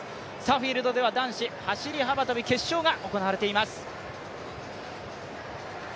フィールドでは女子走幅跳決勝が行われています。